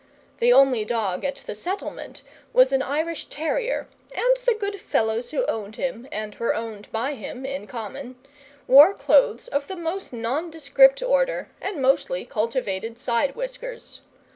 The only dog at the settlement was an Irish terrier, and the good fellows who owned him, and were owned by him, in common, wore clothes of the most nondescript order, and mostly cultivated side whiskers.